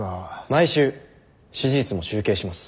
毎週支持率も集計します。